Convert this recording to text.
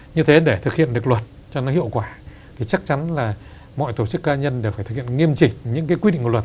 như thế để thực hiện được luật cho nó hiệu quả thì chắc chắn là mọi tổ chức ca nhân đều phải thực hiện nghiêm chỉnh những cái quy định của luật